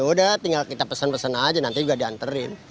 udah tinggal kita pesen pesen aja nanti juga diantarin